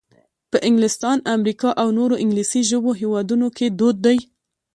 په انګلستان، امریکا او نورو انګلیسي ژبو هېوادونو کې دود دی.